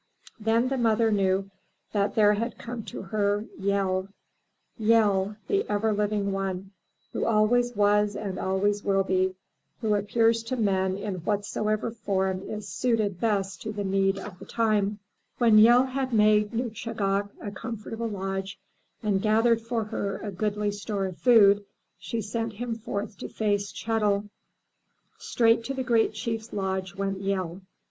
Then the mother knew that there had come to her Yehl — ^Yehl, the ever living one, who always was and always will be, who appears to men in whatsoever form is suited best to the need of the time. 222, THROUGH FAIRY HALLS When Yehl had made Nuschagak a comfortable lodge and gathered for her a goodly store of food, she sent him forth to face Chetl. Straight to the great chief's lodge went Yehl.